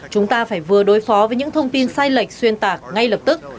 chúng ta phải vừa đối phó với những thông tin sai lệch xuyên tạc ngay lập tức